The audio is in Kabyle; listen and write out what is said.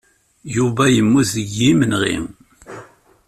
Yuba yemmut deg yimenɣi.